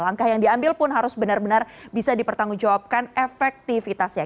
langkah yang diambil pun harus benar benar bisa dipertanggungjawabkan efektivitasnya